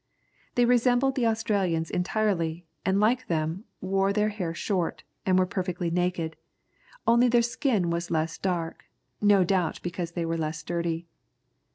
They resembled the Australians entirely, and like them, wore their hair short, and were perfectly naked only their skin was less dark; no doubt because they were less dirty.